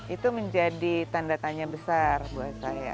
itu menjadi tanda tanya besar buat saya